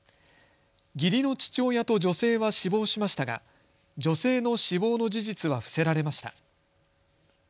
義理の父親と女性は死亡しましたが女性の死亡の事実は伏せられました。